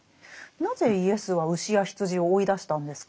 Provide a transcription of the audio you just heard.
なぜイエスは牛や羊を追い出したんですか？